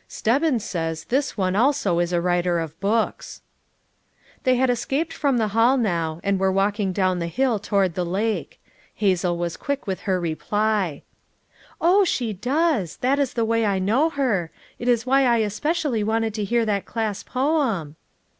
" "Stebbins says this one also is a writer of books." They had escaped from the hall now, and were walking down the hill toward the lake. Hazel was quick with her reply. "Oh, she does; that is the way I know her; it is why I especially wanted to hear that class poem."